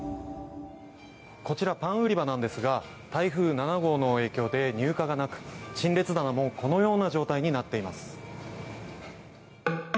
こちらパン売り場なんですが台風７号の影響で入荷がなく陳列棚もこのような状態になっています。